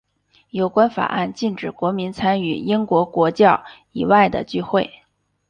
有关法案禁止国民参与英国国教以外的聚会。